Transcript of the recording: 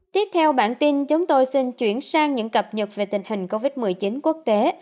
tiếp theo bản tin chúng tôi xin chuyển sang những cập nhật về tình hình covid một mươi chín quốc tế